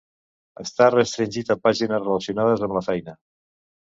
Està restringit a pàgines relacionades amb la feina.